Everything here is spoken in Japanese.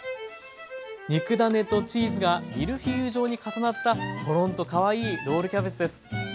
肉ダネとチーズがミルフィーユ状に重なったコロンとかわいいロールキャベツです。